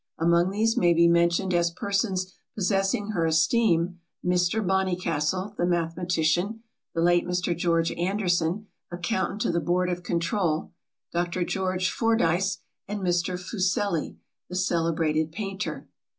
Among these may be mentioned as persons possessing her esteem, Mr. Bonnycastle, the mathematician, the late Mr. George Anderson, accountant to the board of control, Dr. George Fordyce, and Mr. Fuseli, the celebrated painter.